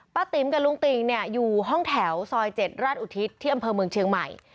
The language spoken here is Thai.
ติ๋มกับลุงติ่งเนี่ยอยู่ห้องแถวซอย๗ราชอุทิศที่อำเภอเมืองเชียงใหม่